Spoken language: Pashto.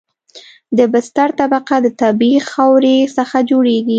د بستر طبقه د طبیعي خاورې څخه جوړیږي